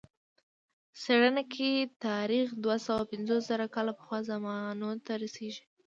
څېړنه کې تاریخ دوه سوه پنځوس زره کاله پخوا زمانو ته رسېږي.